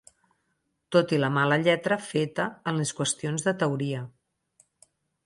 ...tot i la mala lletra feta en les qüestions de teoria